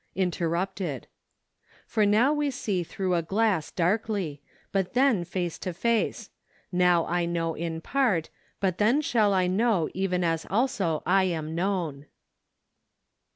Interrupted. "For now we see through a glass, darkly; but then face to face: now I know in part; but then shall I know even as also lam known